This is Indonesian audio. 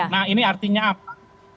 nah ini artinya apa